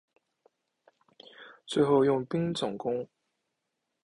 最后用兵进攻。